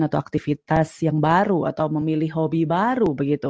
atau aktivitas yang baru atau memilih hobi baru begitu